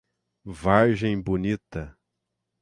Vargem Bonita